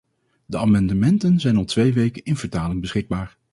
De amendementen zijn al twee weken in vertaling beschikbaar.